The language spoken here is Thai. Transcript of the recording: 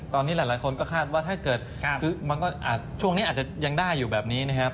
ตอนนี้หลายคนก็คาดว่าถ้าเกิดคือมันก็อาจช่วงนี้อาจจะยังได้อยู่แบบนี้นะครับ